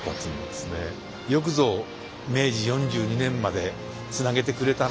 よくぞ明治４２年までつなげてくれたなと。